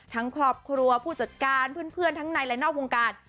ครอบครัวผู้จัดการเพื่อนทั้งในและนอกวงการ